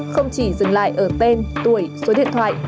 không chỉ dừng lại ở tên tuổi số điện thoại